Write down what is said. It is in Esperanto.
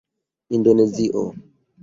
indonezio